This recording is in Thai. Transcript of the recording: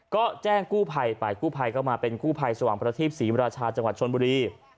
ก็แจ้งกู้ภัยไปกู้ภัยก็มาเป็นกู้ภัยสว่างประทีปศรีมราชาจังหวัดชนบุรี